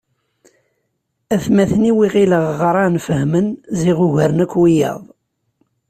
Atmaten-iw i ɣileɣ ɣran fehmen ziɣ ugaren akk wiyaḍ.